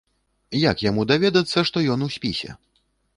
Як яму даведацца, што ён у спісе?